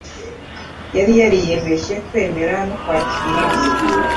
Yari yariyemeje kwemera no kwakira ibye.